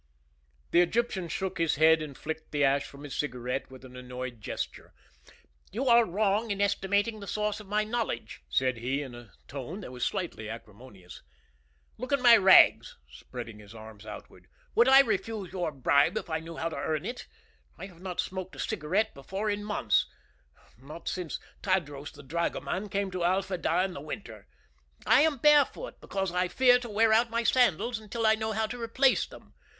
The Egyptian shook his head and flicked the ash from his cigarette with an annoyed gesture. "You are wrong in estimating the source of my knowledge," said he, in a tone that was slightly acrimonious. "Look at my rags," spreading his arms outward; "would I refuse your bribe if I knew how to earn it? I have not smoked a cigarette before in months not since Tadros the dragoman came to Al Fedah in the winter. I am barefoot, because I fear to wear out my sandals until I know how to replace them.